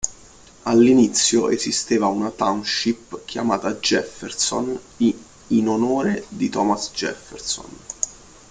All'inizio esisteva una Township chiamata Jefferson in onore di Thomas Jefferson.